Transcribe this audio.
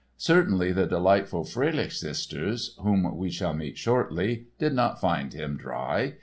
Certainly, the delightful Fröhlich sisters (whom we shall meet shortly) did not find him "dry."